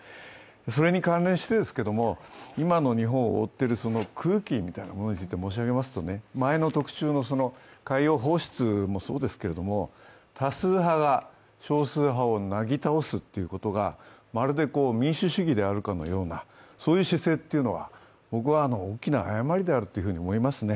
それに関連してですけれども、今の日本を覆っている空気について申し上げますと前の特集の海洋放出もそうですけれど多数派が少数派をなぎ倒すということがまるで民主主義であるかのような姿勢は僕は大きな誤りであると思いますね。